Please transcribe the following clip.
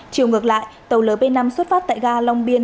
chiều ngược lại tàu lp năm xuất phát tại ga long biên